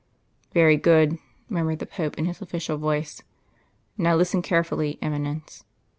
'" "Very good," murmured the Pope, in his official voice. "Now listen carefully, Eminence."